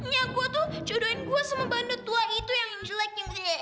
ya gue tuh jodohin gue sama bandet tua itu yang jelekin